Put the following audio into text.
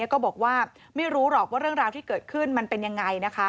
ก็บอกว่าไม่รู้หรอกว่าเรื่องราวที่เกิดขึ้นมันเป็นยังไง